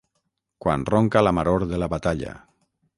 Quan ronca la maror de la batalla.